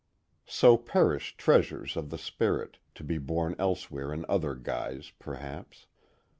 So perish treasures of the spirit, to be born elsewhere in other guise, perhaps.